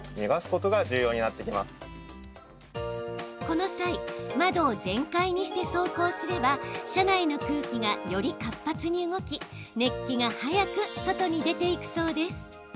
この際窓を全開にして走行すれば車内の空気がより活発に動き熱気が早く外に出ていくそうです。